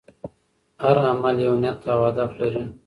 هر عمل یو نیت او هدف لري.